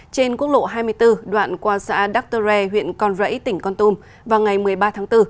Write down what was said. trên quốc lộ hai mươi bốn đoạn qua xã dre huyện con rẫy tỉnh con tum vào ngày một mươi ba tháng bốn